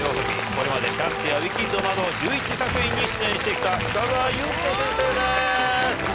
これまで『キャッツ』や『ウィキッド』など１１作品に出演してきた北澤裕輔先生です。